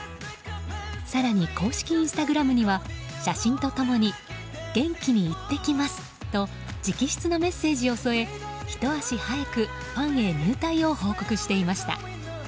更に、公式インスタグラムには写真と共に元気に行ってきます！と直筆のメッセージを添えひと足早くファンへ入隊を報告していました。